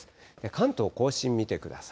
関東甲信見てください。